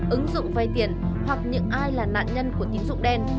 ứng dụng vay tiền hoặc những ai là nạn nhân của tín dụng đen